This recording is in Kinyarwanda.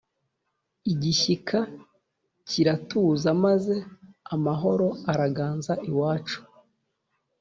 Igishyika kiratuza maze amahoro araganza iwacu